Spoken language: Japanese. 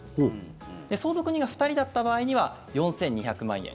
相続人が２人だった場合には４２００万円。